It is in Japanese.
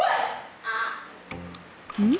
うん？